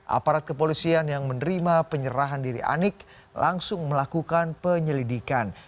aparat kepolisian yang menerima penyerahan diri anik langsung melakukan penyelidikan